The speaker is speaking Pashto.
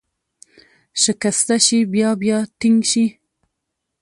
شکسته شي، بیا بیا ټینګ شي.